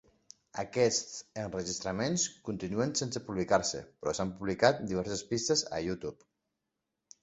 Aquests enregistraments continuen sense publicar-se, però s'han publicat diverses pistes a YouTube.